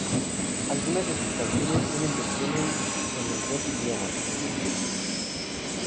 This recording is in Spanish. Algunas de sus canciones tienen versiones en los dos idiomas.